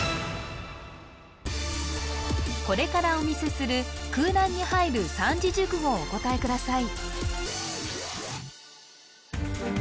これからお見せする空欄に入る三字熟語をお答えください